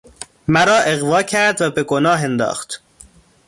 مرا اغوا کرد و به گناه انداخت